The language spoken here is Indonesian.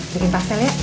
bikin pastel ya